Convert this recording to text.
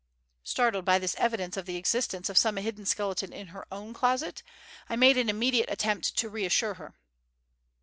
Startled by this evidence of the existence of some hidden skeleton in her own closet, I made an immediate attempt to reassure her.